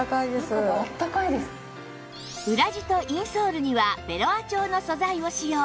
裏地とインソールにはベロア調の素材を使用